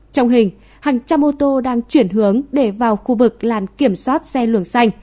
trong hình hàng trăm ô tô đang chuyển hướng để vào khu vực làn kiểm soát xe luồng xanh